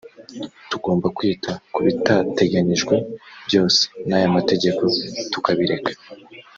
tugomba kwita ku bitateganyijwe byose n aya mategeko tukabireka